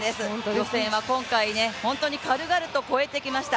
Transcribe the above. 予選は今回、本当に軽々と越えてきました。